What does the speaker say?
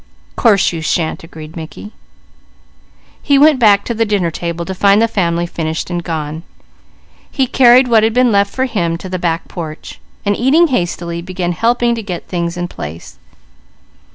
"Course you shan't!" agreed Mickey. He went back to the dinner table to find the family finished and gone. He carried what had been left for him to the back porch, and eating hastily began helping to get things in place.